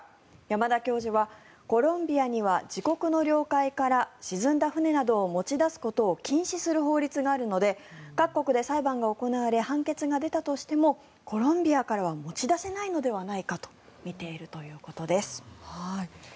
山田教授はコロンビアには自国の領海から沈んだ船などを持ち出すことを禁止する法律があるので各国で裁判が行われ判決が出たとしてもコロンビアからは持ち出せないのではないかとみているということです。